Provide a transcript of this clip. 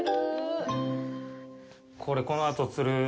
これ、このあと釣る